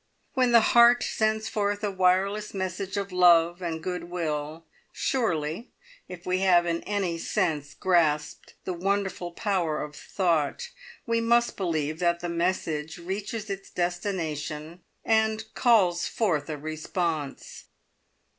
When the heart sends forth a wireless message of love and goodwill, surely, if we have in any sense grasped the wonderful power of thought, we must believe that the message reaches its destination, and calls forth a response!